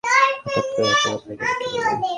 হঠাৎ করে এত বদলে গেলে কিভাবে?